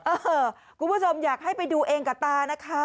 คุณผู้ชมอยากให้ไปดูเองกับตานะคะ